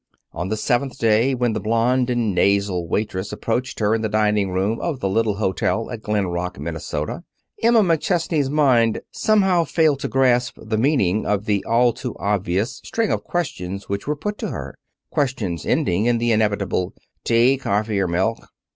On the seventh day, when the blonde and nasal waitress approached her in the dining room of the little hotel at Glen Rock, Minnesota, Emma McChesney's mind somehow failed to grasp the meaning of the all too obvious string of questions which were put to her questions ending in the inevitable "Tea, coffee 'r milk?"